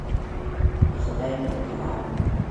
په خدای په قوران.